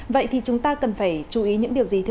vậy thì chúng ta cần phải chú ý những điều gì thưa ông